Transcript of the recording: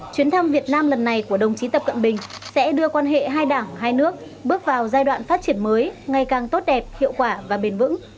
chuyến thăm việt nam lần này của đồng chí tập cận bình sẽ đưa quan hệ hai đảng hai nước bước vào giai đoạn phát triển mới ngày càng tốt đẹp hiệu quả và bền vững